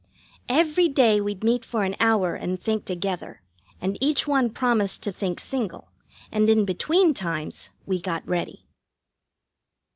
Every day we'd meet for an hour and think together, and each one promised to think single, and in between times we got ready.